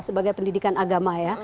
sebagai pendidikan agama ya